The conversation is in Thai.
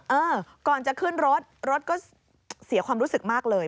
เออก่อนจะขึ้นรถรถก็เสียความรู้สึกมากเลย